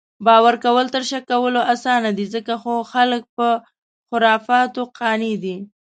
باؤر کؤل تر شک کؤلو اسانه دي، ځکه خو خلک پۀ خُرفاتو قانع دي